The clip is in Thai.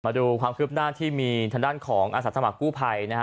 มาดูความคืบหน้าที่มีทางด้านของอาสาสมัครกู้ภัยนะฮะ